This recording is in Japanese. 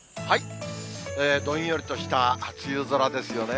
どんよりとした梅雨空ですよね。